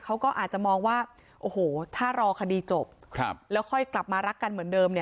ก็อาจจะมองว่าถ้ารอคดีจบแล้วค่อยกลับมารักกันเหมือนเดิม